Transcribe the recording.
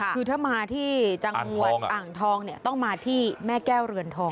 คือถ้ามาที่จังหวัดอ่างทองเนี่ยต้องมาที่แม่แก้วเรือนทอง